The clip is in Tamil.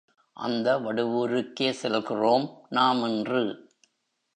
அந்த வடுவூருக்கே செல்கிறோம், நாம் இன்று.